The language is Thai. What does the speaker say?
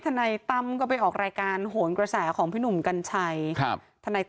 ธนัยตั้มก็พูดประมาณว่ารู้ที่มาของจดหมายที่แม่เขียนว่าไม่ให้ธนัยตั้มยุ่งกับคดี